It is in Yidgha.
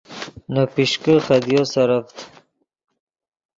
نے پیشکے خدیو سرڤد